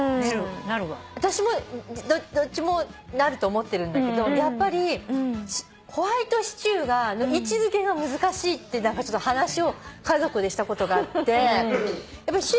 私もどっちもなると思ってるけどやっぱりホワイトシチューが位置付けが難しいって話を家族でしたことがあって。家族会議？